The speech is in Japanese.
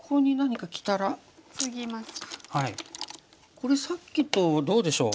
これさっきとどうでしょう。